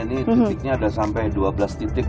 ini titiknya ada sampai dua belas titik